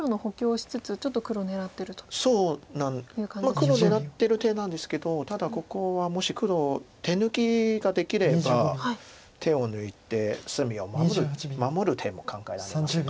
黒狙ってる手なんですけどただここはもし黒手抜きができれば手を抜いて隅を守る手も考えられます。